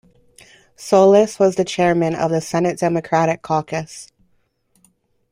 Soles was the chairman of the Senate Democratic Caucus.